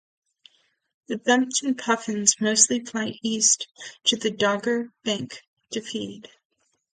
The Bempton puffins mostly fly east to the Dogger Bank to feed.